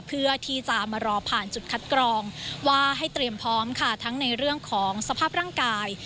เพื่อที่จะมารอผ่านจุดคัดกรองว่าให้เตรียมพร้อมค่ะทั้งในเรื่องของสภาพร่างกาย